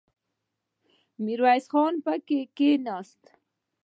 ميرويس خان پکې کېناست.